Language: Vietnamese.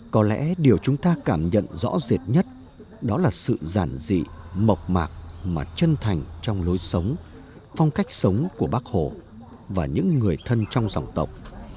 có lẽ điều chúng ta cảm nhận rõ rệt nhất đó là sự giản dị mộc mạc mà chân thành trong lối sống phong cách sống của bác hồ và những người thân trong dòng tộc